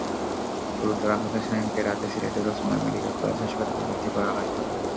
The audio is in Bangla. গুরুতর আহত সায়েমকে রাতে সিলেটের ওসমানী মেডিকেল কলেজ হাসপাতালে ভর্তি করা হয়।